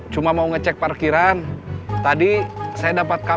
saya ke pabrik bosnya ga ada